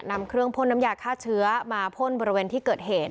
นำเครื่องพ่นน้ำยาฆ่าเชื้อมาพ่นบริเวณที่เกิดเหตุ